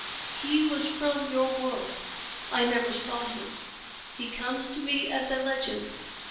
"He was from your world. I never saw him. He comes to me as a legend.